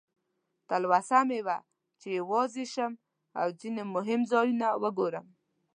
تلوسه مې وه چې یوازې شم او ځینې مهم ځایونه وګورم.